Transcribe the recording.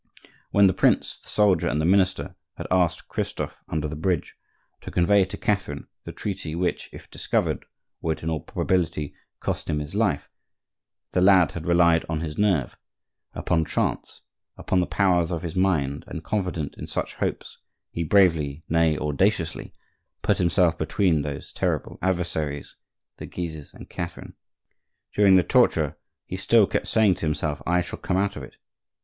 When the prince, the soldier, and the minister had asked Christophe, under the bridge, to convey to Catherine the treaty which, if discovered, would in all probability cost him his life, the lad had relied on his nerve, upon chance, upon the powers of his mind, and confident in such hopes he bravely, nay, audaciously put himself between those terrible adversaries, the Guises and Catherine. During the torture he still kept saying to himself: "I shall come out of it!